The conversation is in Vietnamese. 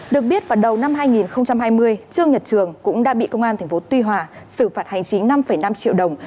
được biết vào đầu năm hai nghìn hai mươi trương nhật trường cũng đã bị công an tp tuy hòa xử phạt hành chính năm năm triệu đồng